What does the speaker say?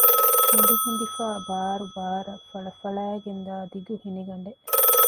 ހިނދިހިނދިފައި ބާރުބާރަށް ފަޅަފަޅައިގެންދާ ދިގު ހިނިގަނޑެއް